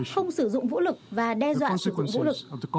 không sử dụng vũ lực và đe dọa sử dụng vũ lực